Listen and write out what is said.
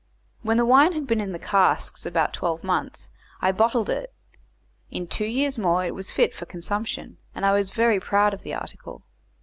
When the wine had been in the casks about twelve months I bottled it; in two years more it was fit for consumption, and I was very proud of the article.